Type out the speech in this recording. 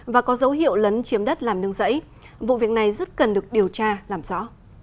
và có dấu hiệu lấn chiếm đất làm nương rẫy vụ việc này rất cần được điều tra làm rõ